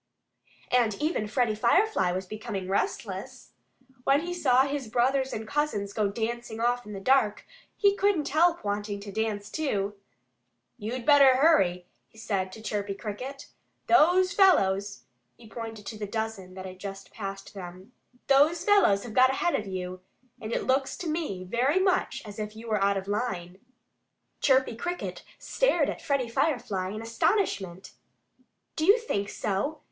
And even Freddie Firefly was becoming restless. When he saw his brothers and cousins go dancing off in the dark he couldn't help wanting to dance too. "You'd better hurry!" he said to Chirpy Cricket. "Those fellows " he pointed to the dozen that had just passed them "those fellows have got ahead of you. And it looks to me very much as if you were out of line." Chirpy Cricket stared at Freddie Firefly in astonishment. "Do you think so?"